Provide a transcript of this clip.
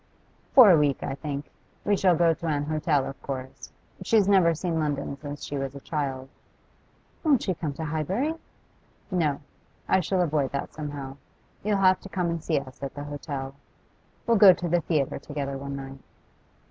'For a week, I think. We shall go to an hotel, of course. She's never seen London since she was a child.' 'She won't come to Highbury?' 'No. I shall avoid that somehow. You'll have to come and see us at the hotel. We'll go to the theatre together one night.